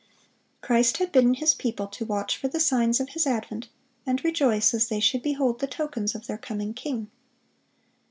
(489) Christ had bidden His people watch for the signs of His advent, and rejoice as they should behold the tokens of their coming King.